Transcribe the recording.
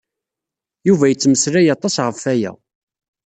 Yuba yettmeslay aṭas ɣef waya.